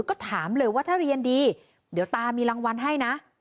ก็ถามเลยว่าถ้าเรียนดีเดี๋ยวตามีรางวัลให้นะ